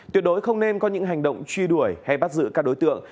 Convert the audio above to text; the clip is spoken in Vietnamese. tuyệt đối không nên có những hành động truy đuổi hay bắt giữ các đối tượng